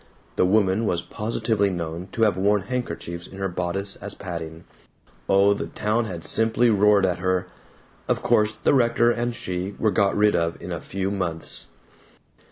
The woman was positively known to have worn handkerchiefs in her bodice as padding oh, the town had simply roared at her. Of course the rector and she were got rid of in a few months.